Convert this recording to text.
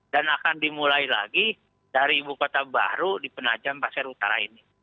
dan akan dimulai lagi dari ibu kota baru di penajam pasir utara ini